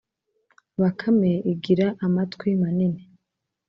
bakame igira amatwi manini